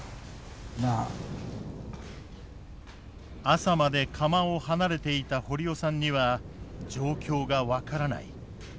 朝まで釜を離れていた堀尾さんには状況が分からない。